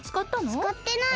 つかってない。